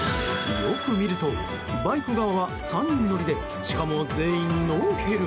よく見るとバイク側は３人乗りでしかも全員、ノーヘル。